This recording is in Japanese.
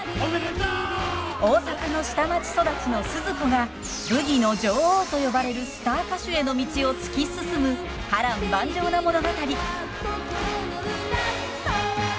大阪の下町育ちのスズ子がブギの女王と呼ばれるスター歌手への道を突き進む波乱万丈な物語。へいっ！